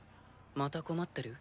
・また困ってる？